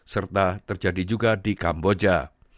serta terjadi juga di kamboja